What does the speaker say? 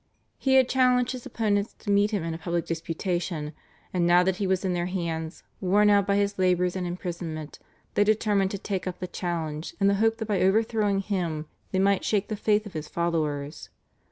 He had challenged his opponents to meet him in a public disputation, and now that he was in their hands, worn out by his labours and imprisonment, they determined to take up the challenge in the hope that by overthrowing him they might shake the faith of his followers.